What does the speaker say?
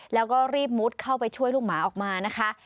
แล้วก็รีบมุดเข้าไปช่วยลูกหมาออกมานะคะ